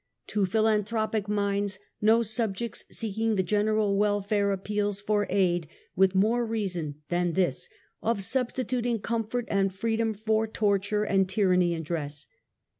To philanthropic minds, no subjects seeking the general welfare appeals for aid with more reason than this of substituting comfort and freedom for torture and tyranny in dress.